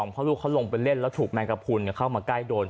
เพราะลูกเขาลงไปเล่นแล้วถูกแมงกระพุนเข้ามาใกล้โดน